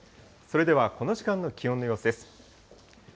それではこの時間の気温の様子です。